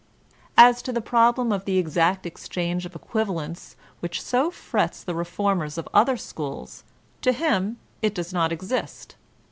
As to the problem of the exact exchange of equivalents which so frets the reformers of other schools, to him it does not exist.